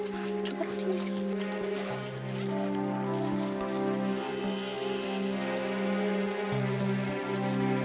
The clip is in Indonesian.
kayaknya ada yang gak beres deh